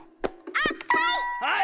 あっはい！